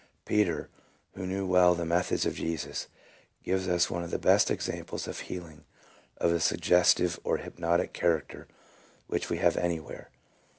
Peter, who knew well the methods of Jesus, gives us one of the best examples of healing of a sug gestive or hypnotic character which w r e have any where.